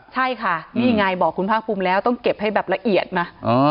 ใช่ค่ะนี่ไงบอกคุณภาคภูมิแล้วต้องเก็บให้แบบละเอียดนะ